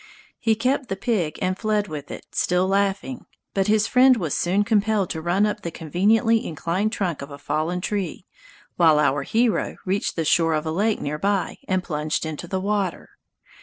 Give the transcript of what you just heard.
He kept the pig and fled with it, still laughing; but his friend was soon compelled to run up the conveniently inclined trunk of a fallen tree, while our hero reached the shore of a lake near by, and plunged into the water.